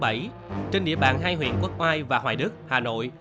một mươi hai một mươi ba tháng bảy trên địa bàn hai huyện quốc hoai và hoài đức hà nội